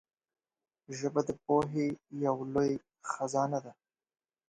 ژبه د پوهې یو لوی خزانه ده